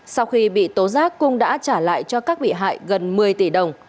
sau khi bị tố giác cung đã trả lại cho các bị hại gần một mươi tỷ đồng